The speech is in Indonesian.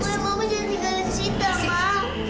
saya mau jadi kayak sita ma